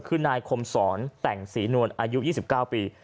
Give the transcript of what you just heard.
คือนายคมสอนแต่งศรีนวลอายุ๒๙ปี